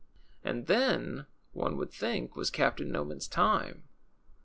And then, one would think, Avas Captain Noman's time.